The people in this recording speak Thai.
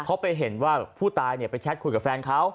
เขาไปเห็นว่าผู้ตายไปแชทคุยกับแฟนเขา